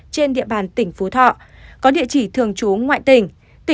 trên địa bàn tỉnh phú thọ có địa chỉ thường trú ngoại tỉnh